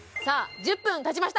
１０分たちました